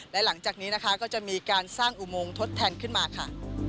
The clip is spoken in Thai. และหลังจากนี้นะคะก็จะมีการสร้างอุโมงทดแทนขึ้นมาค่ะ